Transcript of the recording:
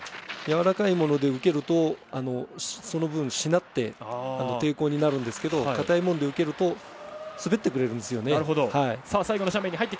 ガードするときにやわらかいもので受けるとその分、しなって抵抗になるんですけどかたいもので受けると滑ってくれるんですよね。